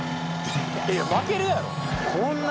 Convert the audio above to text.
いや負けるやろこんな